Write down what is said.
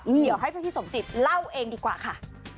เดี๋ยวให้พี่สมจิตเล่าเองดีกว่าค่ะ